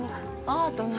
アートな。